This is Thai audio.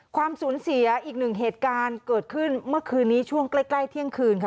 ความสูญเสียอีกหนึ่งเหตุการณ์เกิดขึ้นเมื่อคืนนี้ช่วงใกล้เที่ยงคืนค่ะ